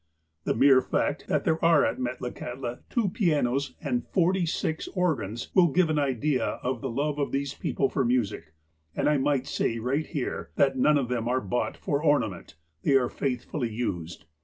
The mere fact, that there are at Metlakahtla two pianos and forty six organs will give an idea of the love of these people for music. And I might say right here, that none of them are bought for ornament : they are faith fully used.